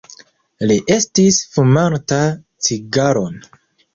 Li estis fumanta cigaron.